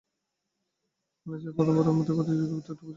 বাংলাদেশ প্রথমবারের মতো এ প্রতিযোগিতায় তথ্যপ্রযুক্তি বিভাগে অংশগ্রহণ করবে।